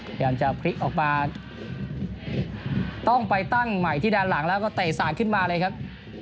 พยายามจะพลิกออกมาต้องไปตั้งใหม่ที่ด้านหลังแล้วก็เตะสาดขึ้นมาเลยครับ